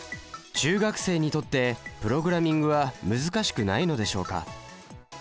中学生にとってプログラミングは難しくないのでしょうか？